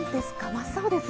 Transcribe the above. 真っ青です。